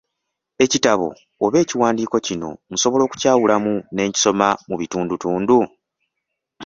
Ekitabo oba ekiwandiiko kino nsobola okukyawulamu ne nkisoma mu bitundutundu?